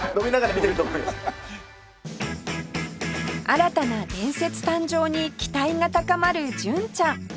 新たな伝説誕生に期待が高まる純ちゃん